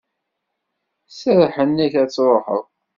Serrḥen-ak ad truḥeḍ.